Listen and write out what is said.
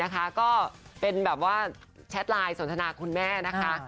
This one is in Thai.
ก็เป็นแบบว่าแชทไลน์สนทนาคุณแม่นะคะ